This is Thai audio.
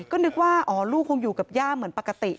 ก็นึกว่าอ๋อลูกคงอยู่กับย่าเหมือนปกติ